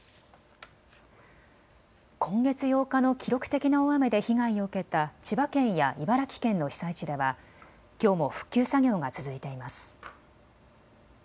今月８日の記録的な大雨で被害を受けた千葉県や茨城県の被災地ではきょうも復旧作業が続いています。